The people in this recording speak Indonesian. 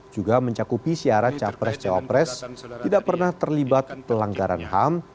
juga mencakupi syarat capres cawapres tidak pernah terlibat pelanggaran ham